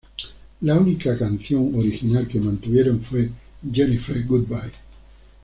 La única canción original que mantuvieron fue 'Jennifer Goodbye'.